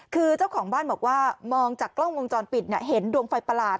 คือเจ้าของบ้านบอกว่ามองจากกล้องวงจรปิดเห็นดวงไฟประหลาด